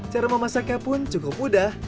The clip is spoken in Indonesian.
cara memasaknya pun cukup mudah